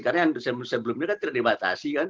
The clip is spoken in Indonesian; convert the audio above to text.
karena yang sebelumnya kan tidak dibatasi kan